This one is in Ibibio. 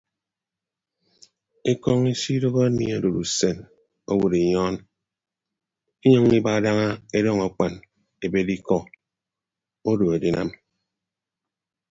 Ekọñ isidooho anie odod usen owod inyọọn inyʌññọ iba daña edọñ akpan ebed ikọ odo edinam.